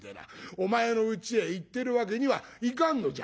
お前のうちへ行ってるわけにはいかんのじゃ」。